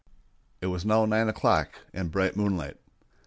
It was now nine o'clock, and bright moonlight.